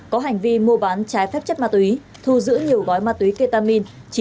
có hành vi mua bán trái phép chất ma túy thu giữ nhiều gói ma túy ketamin